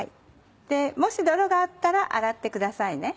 もし泥があったら洗ってくださいね。